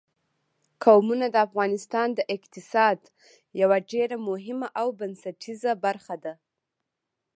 قومونه د افغانستان د اقتصاد یوه ډېره مهمه او بنسټیزه برخه ده.